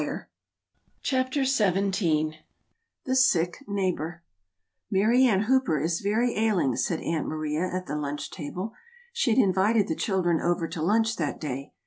"] CHAPTER XVII THE SICK NEIGHBOR "MARY ANN HOOPER is very ailing," said Aunt Maria at the lunch table. She had invited the children over to lunch that day.